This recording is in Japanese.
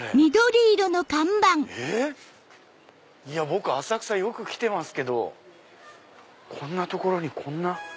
僕浅草よく来てますけどこんな所にこんな。